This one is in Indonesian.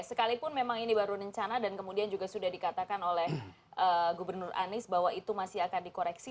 sekalipun memang ini baru rencana dan kemudian juga sudah dikatakan oleh gubernur anies bahwa itu masih akan dikoreksi